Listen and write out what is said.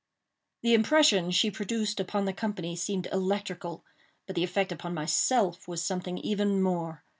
The impression she produced upon the company seemed electrical—but the effect upon myself was something even more.